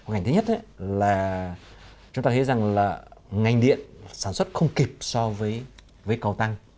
ngành thứ nhất là chúng ta thấy rằng là ngành điện sản xuất không kịp so với cầu tăng